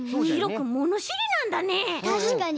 ひろくんものしりなんだね。